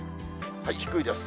低いです。